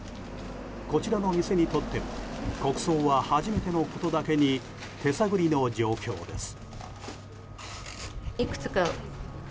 こちらの店にとっても国葬は初めてのことだけに手探りの状況です。